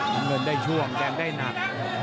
มันเหมือนได้ช่วงแดงได้หนัก